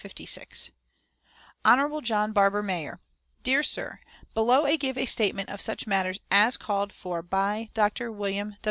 JOHN BARBER, MAYOR: "DEAR SIR, Below I give a statement of such matters as called for by Dr. Wm.